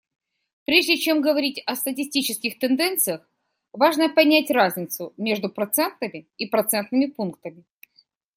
Прежде чем говорить о статистических тенденциях, важно понять разницу между процентами и процентными пунктами.